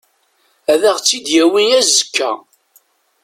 Ad aɣ-tt-id-yawi azekka.